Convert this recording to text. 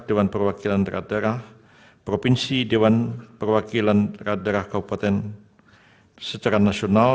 dewan perwakilan daerah daerah provinsi dewan perwakilan rakyat daerah kabupaten secara nasional